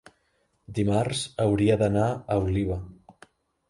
Dimarts hauria d'anar a Oliva.